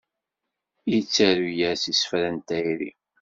Yettaru-as isefra n tayri.